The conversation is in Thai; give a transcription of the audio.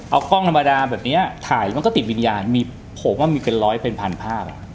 เอากล้องธรรมดาแบบนี้ถ่ายมันก็ติดวิญญาณมีผมว่ามีเป็นร้อยเป็นพันภาพ